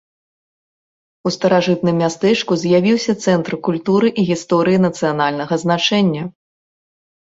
У старажытным мястэчку з'явіўся цэнтр культуры і гісторыі нацыянальнага значэння!